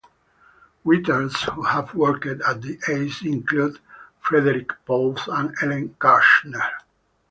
Writers who have worked at Ace include Frederik Pohl and Ellen Kushner.